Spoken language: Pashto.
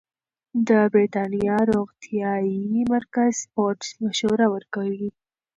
د بریتانیا روغتیايي مرکز سپورت مشوره ورکوي.